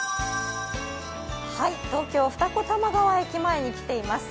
東京・二子玉川駅前に来ています。